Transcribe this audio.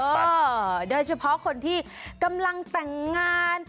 โดยเฉพาะคนที่กำลังแต่งงาน